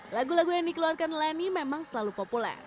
lagu lagu yang dikeluarkan lani memang selalu populer